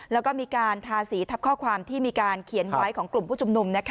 แล้วก็มีการทาสีทับข้อความที่มีการเขียนไว้ของกลุ่มผู้ชุมนุม